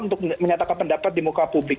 untuk menyatakan pendapat di muka publik